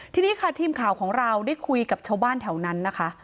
ทีนี้ค่ะทีมข่าวของเราได้คุยกับชาวบ้านแถวนั้นนะคะ